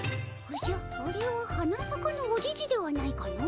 おじゃっあれは花さかのおじじではないかの？